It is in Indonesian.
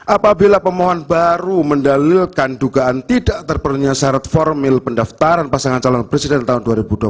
apabila pemohon baru mendalilkan dugaan tidak terpenuhnya syarat formil pendaftaran pasangan calon presiden tahun dua ribu dua puluh empat